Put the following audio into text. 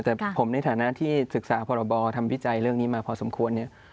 แต่ผมในฐานะที่ศึกษาพรบทำวิจัยเรื่องนี้มาพอสมควรเนี่ย